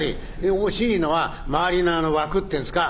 惜しいのは周りのあの枠ってんですか？